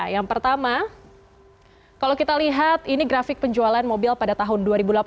yang pertama kalau kita lihat ini grafik penjualan mobil pada tahun dua ribu delapan belas dua ribu sembilan belas dua ribu dua puluh